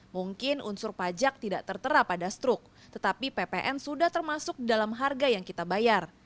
mungkin unsur pajak tidak tertera pada struk tetapi ppn sudah termasuk dalam harga yang kita bayar